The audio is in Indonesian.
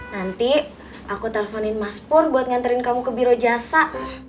nanti aku telponin mas pur buat nganterin kamu ke biro jasa